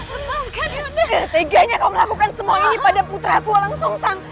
ertegianya kau melakukan semua ini pada putra ku langsung sang